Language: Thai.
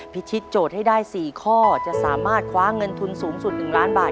ทิศโจทย์ให้ได้๔ข้อจะสามารถคว้าเงินทุนสูงสุด๑ล้านบาท